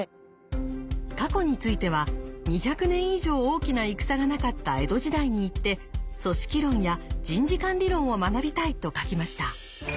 過去については２００年以上大きな戦がなかった江戸時代に行って組織論や人事管理論を学びたいと書きました。